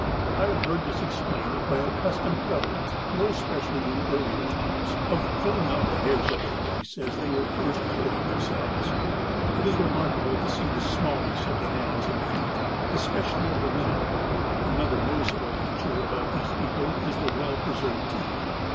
I have heard this explained by a custom prev alent, more especially in earlier times, of pulling out the 346 THE APOSTLE OF ALASKA hairs of the face as they were first showing them selves. It is remarkable to see the smallness of the hands and feet, especially of the women. Ajiother noticeable feature about these people is their well preserved teeth.